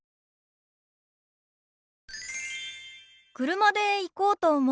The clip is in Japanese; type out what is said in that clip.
車で行こうと思う。